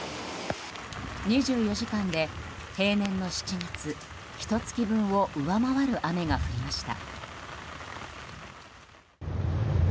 ２４時間で平年の７月ひと月分を上回る雨が降りました。